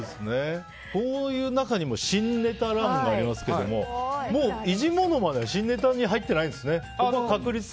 こういう中にも新ネタっていうのがありますけど偉人モノマネは新ネタに入ってないんですね。